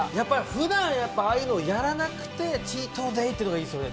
普段ああいうのやらなくてチートデイっていうのがいいですよね。